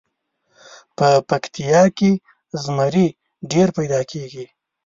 په پکتیا کې مزري ډیر پیداکیږي.